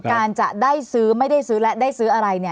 การจะได้ซื้อไม่ได้ซื้อและได้ซื้ออะไร